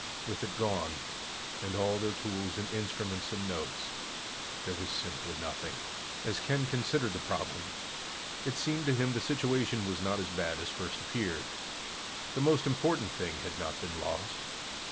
With it gone, and all their tools and instruments and notes, there was simply nothing. As Ken considered the problem, it seemed to him the situation was not as bad as first appeared. The most important thing had not been lost.